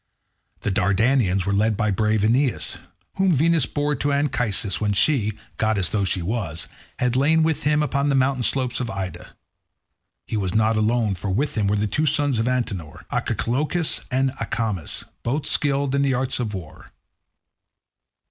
The Dardanians were led by brave Aeneas, whom Venus bore to Anchises, when she, goddess though she was, had lain with him upon the mountain slopes of Ida. He was not alone, for with him were the two sons of Antenor, Archelochus and Acamas, both skilled in all the arts of war.